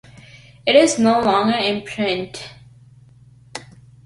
It is no longer in print.